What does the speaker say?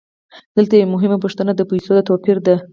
دلته یوه مهمه پوښتنه د پیسو د توپیر ده